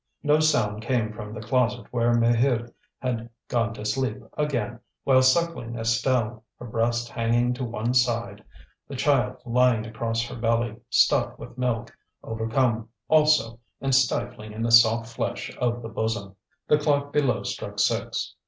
No sound came from the closet where Maheude had gone to sleep again while suckling Estelle, her breast hanging to one side, the child lying across her belly, stuffed with milk, overcome also and stifling in the soft flesh of the bosom. The clock below struck six.